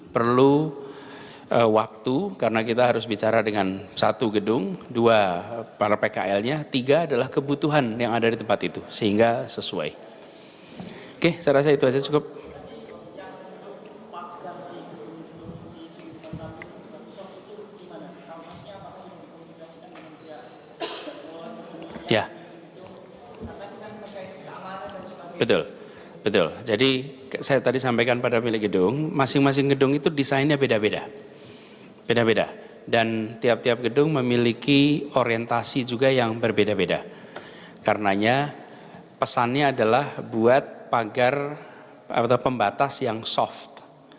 pesannya adalah buat pagar atau pembatas yang soft